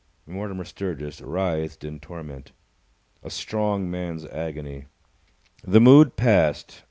Mortimer Sturgis writhed in torment. A strong man's agony. The mood passed.